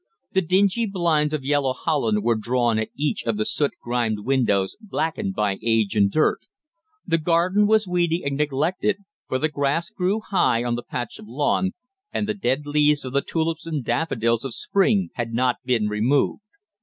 The dingy blinds of yellow holland were drawn at each of the soot grimed windows, blackened by age and dirt. The garden was weedy and neglected, for the grass grew high on the patch of lawn, and the dead leaves of the tulips and daffodils of spring had not been removed.